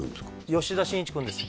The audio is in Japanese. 吉田晋一君です